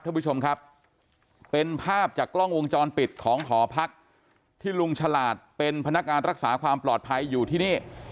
ท่านผู้ชมครับเป็นภาพจากกล้องวงจรปิดของหอพักที่ลุงฉลาดเป็นพนักงานรักษาความปลอดภัยอยู่ที่นี่